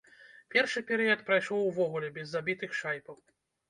Першы перыяд прайшоў увогуле без забітых шайбаў.